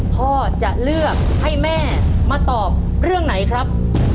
พ่อจะเลือกให้แม่มาตอบเรื่องไหนครับ